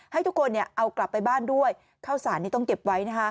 ให้ทุกคนเอากลับไปบ้านด้วยข้าวสารนี้ต้องเก็บไว้